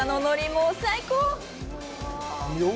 もう最高！